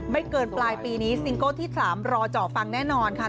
เกินปลายปีนี้ซิงเกิลที่๓รอเจาะฟังแน่นอนค่ะ